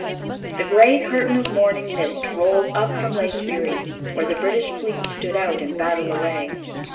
The grey curtain of morning mist rolled up from Lake Erie, where the British fleet stood out in battle array.